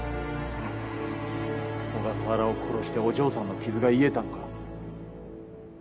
小笠原を殺してお嬢さんの傷が癒えたのか？